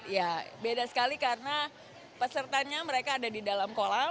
ya beda sekali karena pesertanya mereka ada di dalam kolam